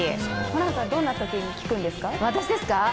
ホランさん、どんなときに聴くんですか。